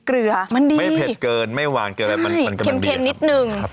เค็มนิดนึง